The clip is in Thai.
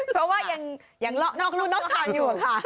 เพราะว่ายังนอกรูดนอกอาคารอยู่ค่ะ